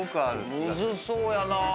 むずそうやなぁ。